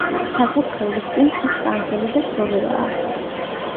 საკურთხევლის წინ ხის კანკელი და სოლეაა.